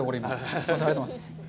すみません、ありがとうございます。